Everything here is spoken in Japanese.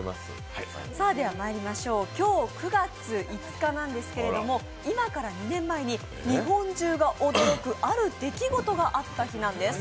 今日９月５日なんですけれども、今から２年前に日本中が驚く、ある出来事があった日なんです。